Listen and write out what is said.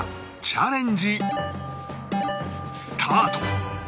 チャレンジスタート